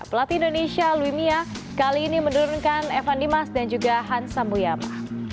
pelatih indonesia luimia kali ini menurunkan evan dimas dan juga hansa muyama